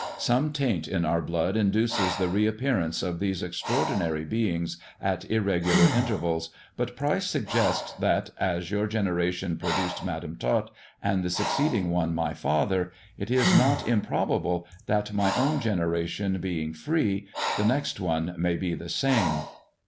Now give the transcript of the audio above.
Some taint in our blood induces the re appearance of these extraordinary beings at irregular intervals; but Pryce suggests that, as your generation produced Madam Tot, and the succeeding one my father, it is not improbable that, my own generation being free, the next one may be the same.